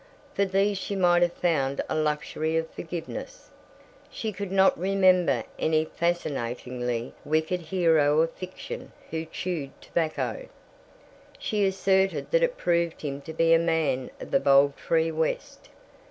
For these she might have found a luxury of forgiveness. She could not remember any fascinatingly wicked hero of fiction who chewed tobacco. She asserted that it proved him to be a man of the bold free West.